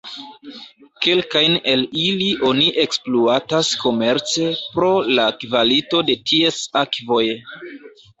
Kelkajn el ili oni ekspluatas komerce pro la kvalito de ties akvoj.